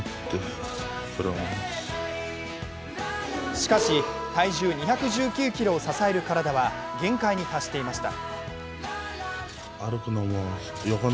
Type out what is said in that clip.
しかし体重２１９ｋｇを支える体は限界に達していました。